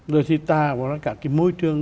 rồi thì ta còn có cả cái môi trường